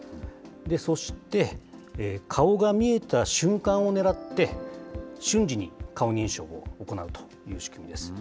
そして、顔が見えた瞬間をねらって、瞬時に顔認証を行うという仕組みです。